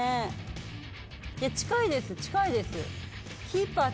近いです近いです。